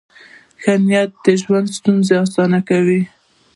ښه نیت د ژوند ستونزې اسانه کوي.